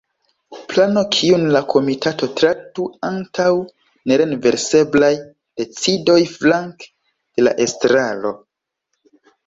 Plano kiun la komitato traktu antaŭ nerenverseblaj decidoj flanke de la estraro.